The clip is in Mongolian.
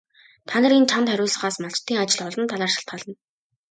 Та нарын чанд хариуцлагаас малчдын ажил олон талаар шалтгаална.